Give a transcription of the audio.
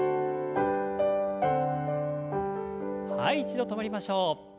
はい一度止まりましょう。